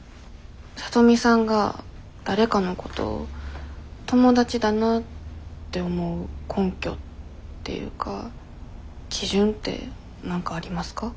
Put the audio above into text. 聡美さんが誰かのこと友達だなって思う根拠っていうか基準って何かありますか？